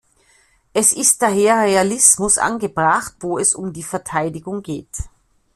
Es ist daher Realismus angebracht, wo es um die Verteidigung geht.